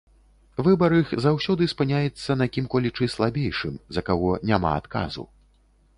Выбар іх заўсёды спыняецца на кім-колечы слабейшым, за каго няма адказу.